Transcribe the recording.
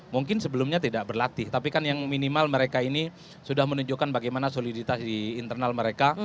mungkin sebelumnya tidak berlatih tapi kan yang minimal mereka ini sudah menunjukkan bagaimana soliditas di internal mereka